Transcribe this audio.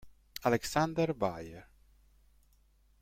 Alexander Beyer